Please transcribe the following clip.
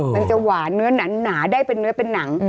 มันจะหวานเนื้อหนาได้เป็นเนื้อเป็นหนัง